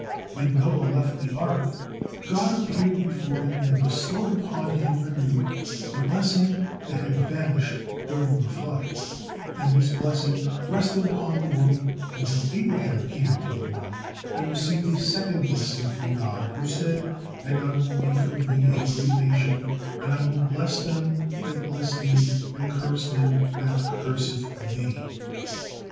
When Noah left the ark, God appeared before him and bestowed upon him anew the blessing that had vanished during the flood, and this blessing rested upon the world until Abraham came into the world and received a second blessing from God, who said, "And I will make of thee a great nation, and I will bless them that bless thee, and curse him that curseth thee."